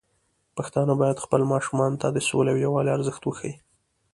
پښتانه بايد خپل ماشومان ته د سولې او يووالي ارزښت وښيي.